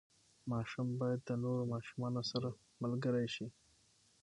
ماشوم باید د نورو ماشومانو سره ملګری شي.